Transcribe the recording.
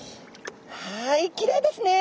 はいきれいですね。